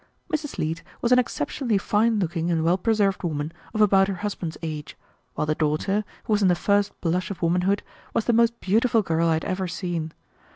Mrs. Leete was an exceptionally fine looking and well preserved woman of about her husband's age, while the daughter, who was in the first blush of womanhood, was the most beautiful girl I had ever seen.